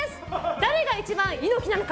誰が一番猪木なのか！